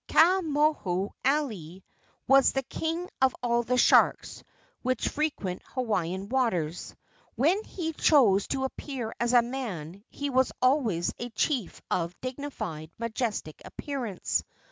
Ka moho alii was the king of all the sharks which frequent Hawaiian waters. When he chose to appear as a man he was always a chief of dignified, majestic appearance.